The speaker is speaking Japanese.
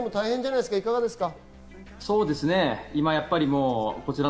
いかがですか？